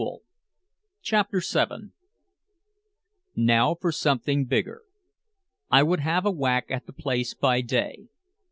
CHAPTER VII Now for something bigger. I would have a whack at the place by day.